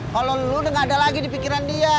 kalo lo udah gak ada lagi di pikiran dia